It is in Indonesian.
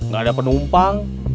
gak ada penumpang